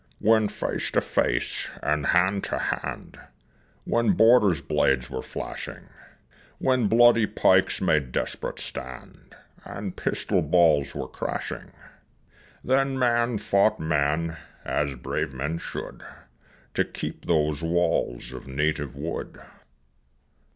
When face to face and hand to hand When boarders' blades were flashing; When bloody pikes made desperate stand, And pistol balls were crashing Then man fought man, as brave men should, To keep those walls of native wood.